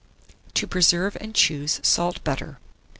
TO PRESERVE AND TO CHOOSE SALT BUTTER.